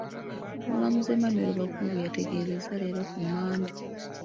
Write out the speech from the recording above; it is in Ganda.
Omulamuzi Emmanuel Baguma bwe yategeezezza leero ku Mmande.